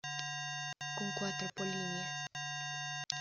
Con cuatro polinias.